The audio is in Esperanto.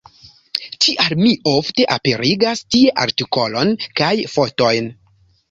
Tial mi ofte aperigas tie artikolon kaj fotojn.